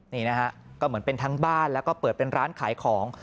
นี่นะฮะก็เหมือนเป็นทั้งบ้านแล้วก็เปิดเป็นร้านขายของ